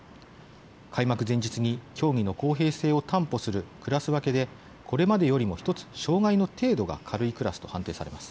開幕前日に競技の公平性を担保するクラス分けでこれまでよりも１つ障害の程度が軽いクラスと判定されます。